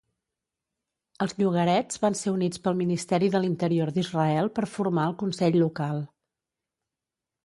Els llogarets van ser units pel Ministeri de l'Interior d'Israel per formar el consell local.